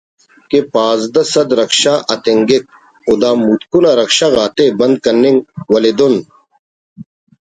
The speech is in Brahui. کہ پانزدہ سد رکشہ اَتنگک و دا متکن آ رکشہ غاتے بند کننگک ولے دن